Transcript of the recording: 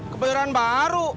ke bayoran baru